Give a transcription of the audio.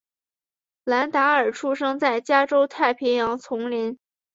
兰达尔出生在加州太平洋丛林。